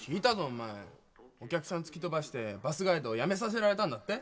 お客さん突き飛ばしてバスガイドを辞めさせられたんだって？